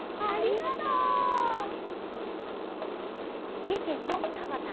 みえけんのたばた